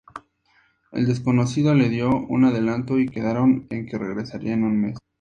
El desconocido le dio un adelanto y quedaron en que regresaría en un mes.